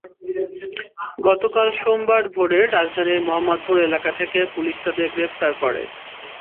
গতকাল সোমবার ভোরে রাজধানীর মোহাম্মদপুর এলাকা থেকে পুলিশ তাঁদের গ্রেপ্তার করে।